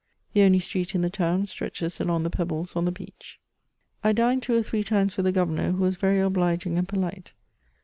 The only street in the town stretches along the pebbles on the beach. I dined two or three times with the Governor, who was very obliging and polite.